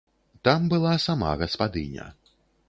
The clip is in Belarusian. Там была сама гаспадыня.